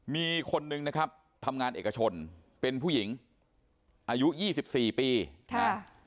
มีคนนึงนะครับทำงานเอกชนเป็นผู้หญิงอายุยี่สิบสี่ปีค่ะ